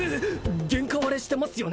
原価割れしてますよね？